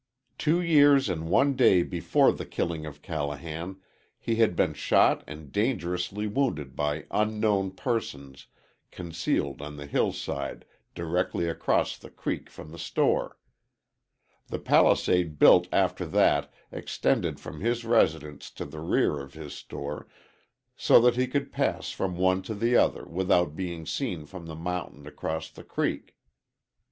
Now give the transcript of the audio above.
Two years and one day before the killing of Callahan he had been shot and dangerously wounded by unknown persons concealed on the hillside directly across the creek from the store. The palisade built after that extended from his residence to the rear of his store so that he could pass from one to the other without being seen from the mountain across the creek.